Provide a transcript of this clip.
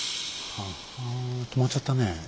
はぁ止まっちゃったねえ。